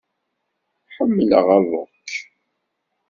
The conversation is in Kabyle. Ḥemmleɣ rock.